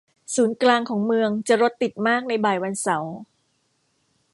ศูนย์กลางของเมืองจะรถติดมากในบ่ายวันเสาร์